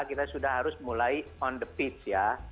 kita sudah harus mulai on the pitch ya